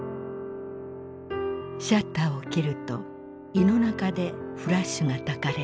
シャッターをきると胃の中でフラッシュがたかれる。